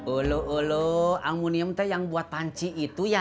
olo olo amunium itu yang buat panci itu ya